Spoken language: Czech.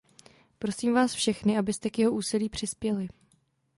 Prosím vás všechny, abyste k jeho úsilí přispěli.